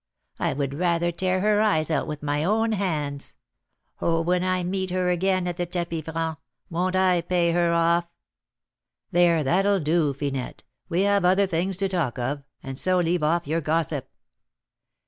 I would rather tear her eyes out with my own hands. Oh, when I meet her again at the tapis franc, won't I pay her off " "There, that'll do, Finette; we have other things to talk of, and so leave off your gossip."